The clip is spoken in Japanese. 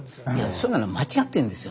そんなの間違ってるんですよ。